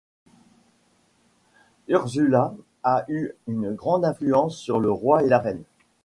Urszula eu une grande influence sur le roi et la reine.